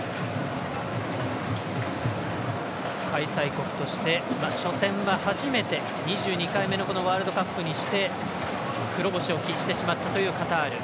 開催国として初戦は初めて２２回目のワールドカップにして黒星を喫してしまったというカタール。